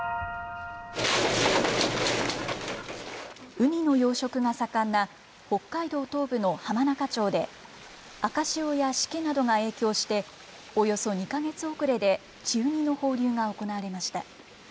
ウニの養殖が盛んな、北海道東部の浜中町で、赤潮やしけなどが影響して、およそ２か月遅れで稚ウニの放流が行われました。